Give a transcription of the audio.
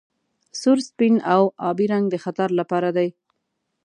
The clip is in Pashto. سور سپین او ابي رنګ د خطر لپاره دي.